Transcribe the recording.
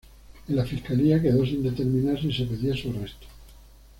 En la Fiscalía quedó sin determinar si se pedía su arresto.